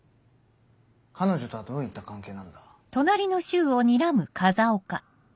彼女とはどういった関係なんだ？